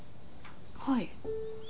はい。